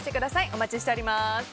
お待ちしております。